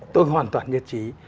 tôi hoàn toàn nhất trí